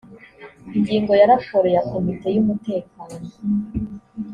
ingingo ya raporo ya komite y umutekano